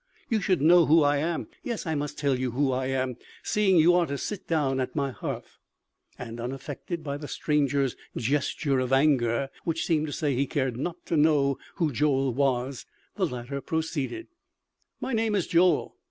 You should know who I am. Yes, I must tell you who I am, seeing you are to sit down at my hearth;" and unaffected by the stranger's gesture of anger, which seemed to say he cared not to know who Joel was, the latter proceeded: "My name is Joel